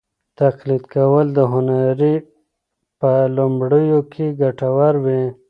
تقلید کول د هنر په لومړیو کې ګټور وي.